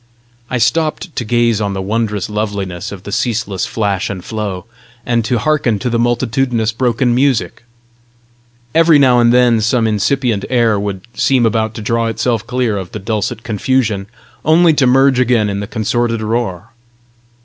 I stopped to gaze on the wondrous loveliness of the ceaseless flash and flow, and to hearken to the multitudinous broken music. Every now and then some incipient air would seem about to draw itself clear of the dulcet confusion, only to merge again in the consorted roar.